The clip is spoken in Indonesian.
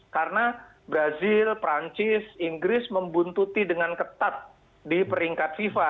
karena brazil perancis inggris membuntuti dengan ketat di peringkat fifa